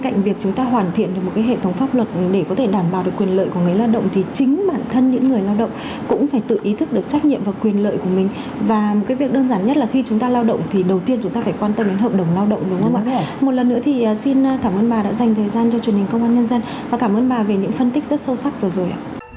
cảm ơn bà đã dành thời gian cho truyền hình công an nhân dân và cảm ơn bà về những phân tích rất sâu sắc vừa rồi